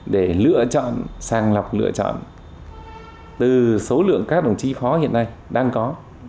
để lựa chọn sàng lọc lựa chọn từ số lượng các đồng chí phó hiện nay đang có